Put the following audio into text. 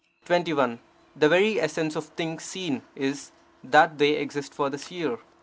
21. The very essence of things seen is, that they exist for the Seer.